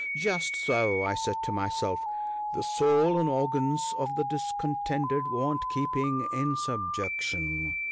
"Just so," I said to myself, " the soul and organs of the discontented want keeping in subjection.